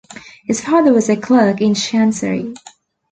His father was a clerk in Chancery.